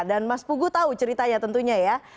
dan mas pugu tahu ceritanya tentunya ya